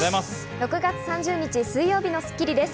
６月３０日、水曜日の『スッキリ』です。